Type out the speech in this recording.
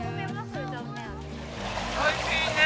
おいしいね。